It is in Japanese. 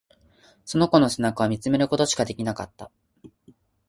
その子の背中を見つめることしかできなかった。